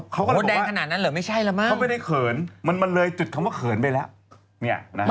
เขาก็เลยบอกว่าเขาไม่ได้เขินมันเลยจุดคำว่าเขินไปแล้วนี่นะฮะ